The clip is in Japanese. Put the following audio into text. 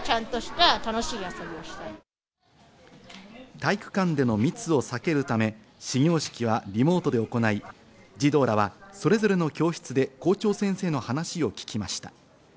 体育館での密を避けるため、始業式はリモートで行い、児童らはそれぞれの教室で校長先生の話を聞きました。